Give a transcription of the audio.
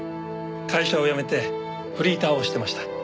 会社を辞めてフリーターをしてました。